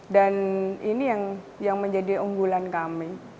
dan ini yang menjadi unggulan kami